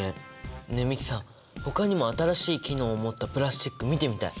ねえ美樹さんほかにも新しい機能を持ったプラスチック見てみたい。